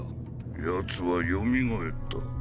ヤツはよみがえった。